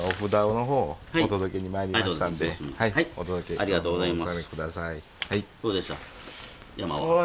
ありがとうございます。